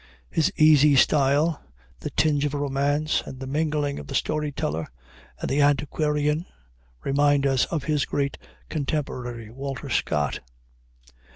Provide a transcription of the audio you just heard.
His easy style, the tinge of romance, and the mingling of the story teller and the antiquarian remind us of his great contemporary, Walter Scott.